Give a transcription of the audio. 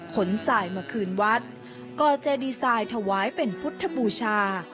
สายมาคืนวัดก็จะดีไซน์ถวายเป็นพุทธบูชา